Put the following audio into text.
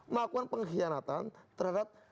melakukan pengkhianatan terhadap